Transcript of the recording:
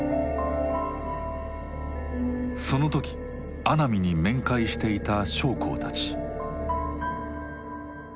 その時阿南に面会していた将校たち。